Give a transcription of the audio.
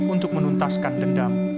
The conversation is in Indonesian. untuk menuntaskan dendam